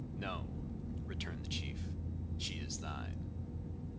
"'No,' returned the chief, 'she is thine.